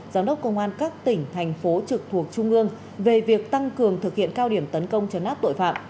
giám đốc công an các tỉnh thành phố trực thuộc trung ương về việc tăng cường thực hiện cao điểm tấn công trấn áp tội phạm